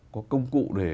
có công cụ để